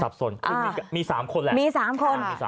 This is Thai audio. สับสนคือมี๓คนแหละ